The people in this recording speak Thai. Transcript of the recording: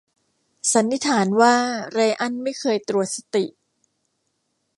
สันนิษฐานว่าไรอันไม่เคยตรวจสติ